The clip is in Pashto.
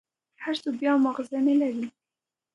هر سوك بيا مازغه نلري.